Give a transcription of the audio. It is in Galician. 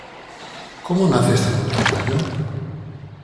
Como nace este novo traballo?